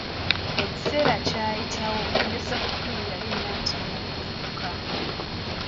Ekiseera kyayitawo, ne ssekukkulu yali eneetera okutuuka.